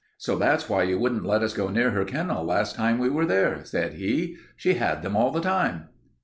"So that's why you wouldn't let us go near her kennel last time we were there," said he. "She had them all the time."